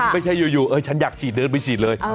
ไม่ใช่อยู่ฉันอยากฉีดเดินไปฉีดเลย